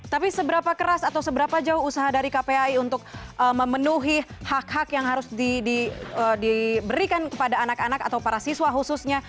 tapi seberapa keras atau seberapa jauh usaha dari kpai untuk memenuhi hak hak yang harus diberikan kepada anak anak atau para siswa khususnya